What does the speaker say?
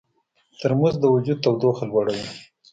ترموز د وجود تودوخه لوړوي.